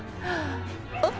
あっ。